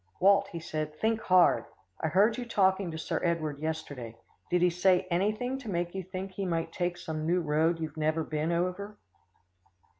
"Walt," he said, "think hard. I heard you talking to Sir Edward yesterday. Did he say anything to make you think he might take some new road you'd never been over?"